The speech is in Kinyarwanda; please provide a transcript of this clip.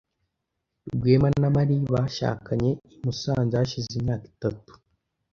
Rwema na Mary bashakanye i Musanze hashize imyaka itatu.